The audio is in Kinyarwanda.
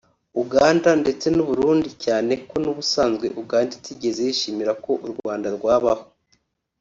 Uganda ndetse n’u Burundi cyane ko n’ubusanzwe Uganda itigeze yishimira ko u Rwanda rwabaho